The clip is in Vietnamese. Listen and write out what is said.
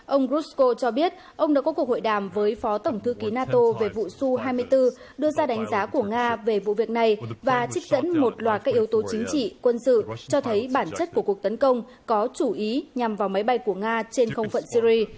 ông grushko cho biết ông đã có cuộc hội đàm với phó tổng thư ký nato về vụ su hai mươi bốn đưa ra đánh giá của nga về vụ việc này và trích dẫn một loạt các yếu tố chính trị quân sự cho thấy bản chất của cuộc tấn công có chủ ý nhằm vào máy bay của nga trên không phận syri